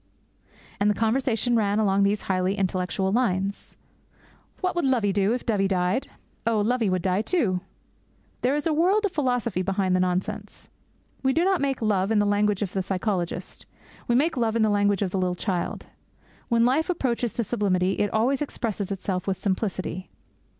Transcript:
And the conversation ran along these highly intellectual lines: 'What would Lovey do if Dovey died?' 'Oh, Lovey would die too!' There is a world of philosophy behind the nonsense. We do not make love in the language of the psychologist; we make love in the language of the little child. When life approaches to sublimity, it always expresses itself with simplicity.